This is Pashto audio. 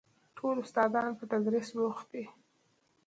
ټول استادان په تدريس بوخت دي.